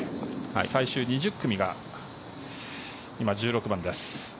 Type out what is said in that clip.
最終２０組が今、１６番です。